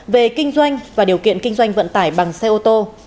về kinh doanh và điều kiện kinh doanh vận tải bằng xe ô tô